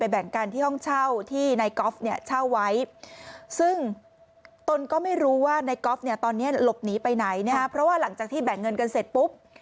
หลังจากที่แบ่งเงินกันเสร็จปุ๊บ